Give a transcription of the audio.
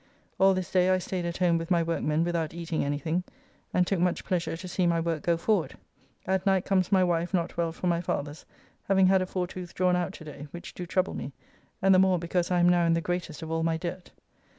All this day I staid at home with my workmen without eating anything, and took much pleasure to see my work go forward. At night comes my wife not well from my father's, having had a fore tooth drawn out to day, which do trouble me, and the more because I am now in the greatest of all my dirt.